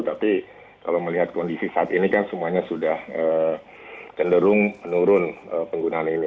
tapi kalau melihat kondisi saat ini kan semuanya sudah cenderung menurun penggunaan ini